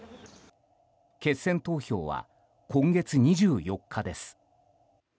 決選投票は今月２４日です。